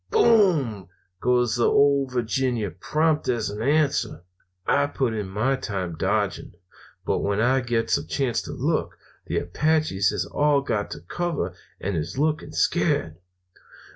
"'Boom!' goes the Ole Virginia prompt as an answer. "I put in my time dodging, but when I gets a chance to look, the Apaches has all got to cover and is looking scared.